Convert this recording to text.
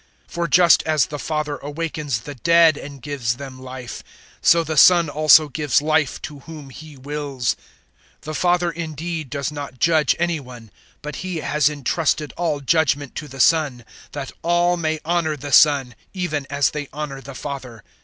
005:021 For just as the Father awakens the dead and gives them life, so the Son also gives life to whom He wills. 005:022 The Father indeed does not judge any one, but He has entrusted all judgement to the Son, 005:023 that all may honour the Son even as they honour the Father.